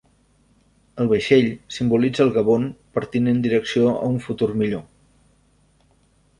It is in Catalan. El vaixell simbolitza el Gabon partint en direcció a un futur millor.